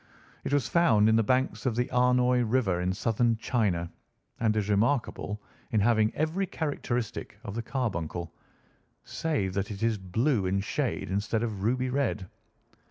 It was found in the banks of the Amoy River in southern China and is remarkable in having every characteristic of the carbuncle, save that it is blue in shade instead of ruby red.